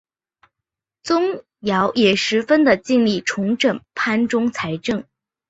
宗尧也十分的尽力重整藩中财政。